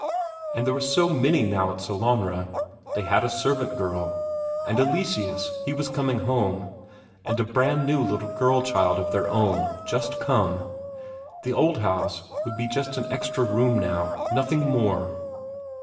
And there were so many now at Sellanraa they had a servant girl; and Eleseus, he was coming home; and a brand new little girl child of their own, just come the old house would be just an extra room now, nothing more.